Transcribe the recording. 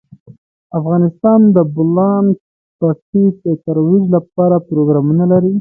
افغانستان د د بولان پټي د ترویج لپاره پروګرامونه لري.